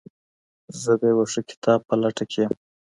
زه د یو ښه کتاب په لټه کي یم.